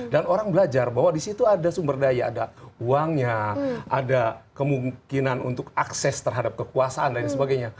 dan orang belajar bahwa di situ ada sumber daya ada uangnya ada kemungkinan untuk akses terhadap kekuasaan dan lain sebagainya